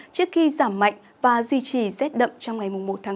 trước khi giảm mạnh và duy trì rét đậm trong ngày một ba